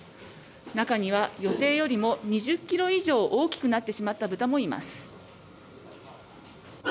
中には予定よりも２０キロ以上大きくなってしまった豚もいます。